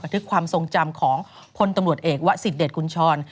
ประทึกความทรงจำของพนตำรวจเอกว่าสิดเดชน์กุญชร